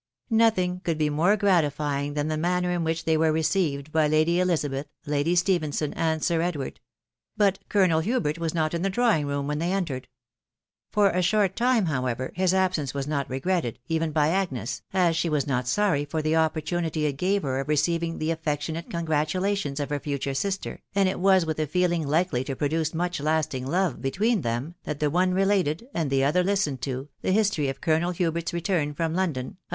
Necking could be more gE&tifysng: than* the manner in which tkey w*ne«csi*ed by Lady EHaabeth, Lady Stephenson,, and Sir Mwawfc; ...... bus CeloneL Hubert was not in the dfcaw ing nxna wheal tiiey entered. For a short time,, however, his sbseseeweB not regretted, even by Agnes, as she was not sorry lor the opyeihiiiily it. gave her ei receiving the affectionate eongratuttattona ef her future sister,, and it was with a feeling likely to produce much lasting love* between, them, that the one related, and the other listened to, the history of Colonel Huberts leeara from London, of.